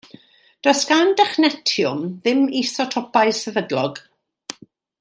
Does gan dechnetiwm ddim isotopau sefydlog.